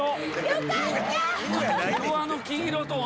よかった！